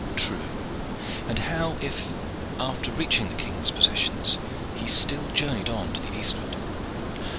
"True. And how if, after reaching the King's possessions, he still journeyed on to the eastward?"